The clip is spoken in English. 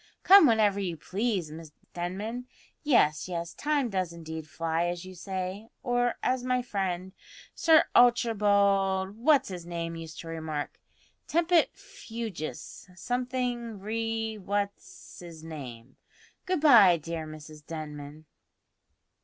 Come whenever you please, dear Mrs Denman. Yes, yes, time does indeed fly, as you say; or as my friend, Sir Archibald What's his name used to remark, `Tempit fugus something re what's 'is name.' Good bye, dear Mrs Denman."